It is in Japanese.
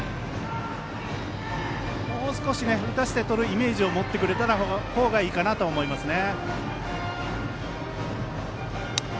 もう少し打たせてとるイメージを持ってくれた方がいいかなと思いますね。